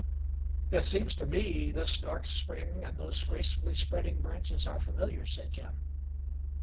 "It seems to me this dark spring and those gracefully spreading branches are familiar," said Jim.